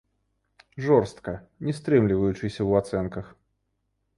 Жорстка, не стрымліваючыся ў ацэнках.